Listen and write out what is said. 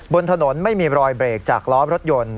บนถนนไม่มีรอยเบรกจากล้อรถยนต์